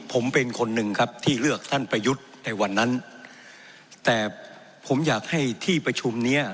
ผมเป็นคนหนึ่งครับที่เลือกท่านประยุทธ์ในวันนั้นแต่ผมอยากให้ที่ประชุมเนี้ย